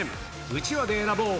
うちわで選ぼう！